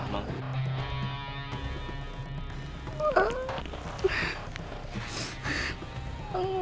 sememangnya tidak akan outdoor